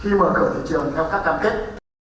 khi mở cửa thị trường theo các cam kết